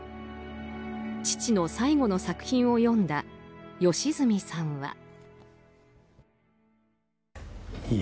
父の最後の作品を読んだ良純さんは。